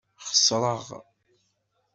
Xesreɣ.